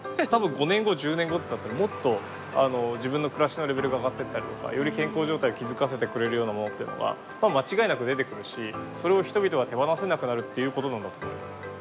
多分５年後１０年後もっと自分の暮らしのレベルが上がってったりとかより健康状態を気付かせてくれるようなものっていうのが間違いなく出てくるしそれを人々は手放せなくなるっていうことなんだと思います。